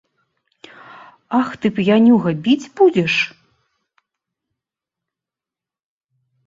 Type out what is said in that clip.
Ах ты, п'янюга, біць будзеш?